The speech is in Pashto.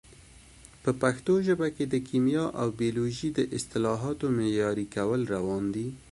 په پښتو ژبه کې د کیمیا او بیولوژي د اصطلاحاتو معیاري کول روان دي.